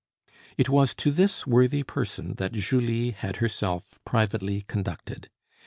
It was to this worthy person that Julie had herself privately conducted.